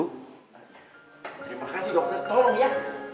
terima kasih dokter tolong ya